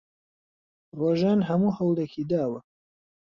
ڕۆژان هەموو هەوڵێکی داوە.